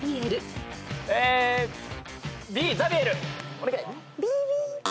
お願い。